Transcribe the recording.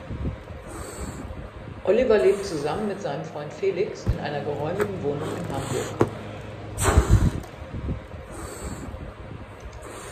Oliver lebt zusammen mit seinem Freund Felix in einer geräumigen Wohnung in Hamburg.